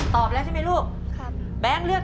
ตอบแล้วใช่มั้ยลูก